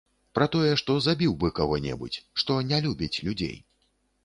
Пра тое, што забіў бы каго-небудзь, што не любіць людзей.